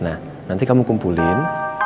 nah nanti kamu kumpulin